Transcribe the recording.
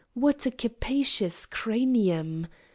"What a capacious cranium!"